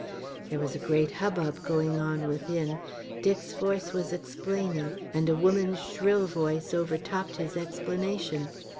There was a great hubbub going on within; Dick's voice was explaining, and a woman's shrill voice overtopped his explanation.